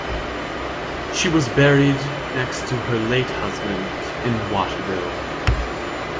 She was buried next to her late husband in Wattville.